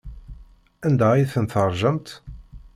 Anda ay ten-teṛjamt?